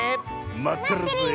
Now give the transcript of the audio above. まってるぜえ。